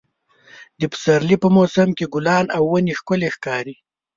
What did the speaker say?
د پسرلي په موسم کې ګلان او ونې ښکلې ښکاري.